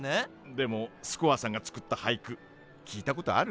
でもスコアさんが作ったはいく聞いたことある？